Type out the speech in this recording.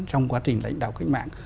trong quá trình lãnh đạo cách mạng